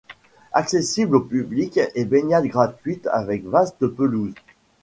Accessible au public et baignade gratuite avec vaste pelouse.